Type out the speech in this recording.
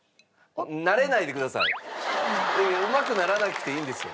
うまくならなくていいんですよ。